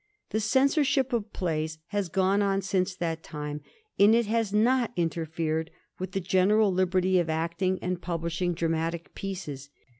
The censorship of plays has gone on since that time, and it has not interfered with the general liberty of acting and of publishing dramatic pieces.